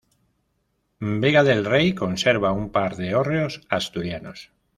Vega del Rey conserva un par de hórreos asturianos.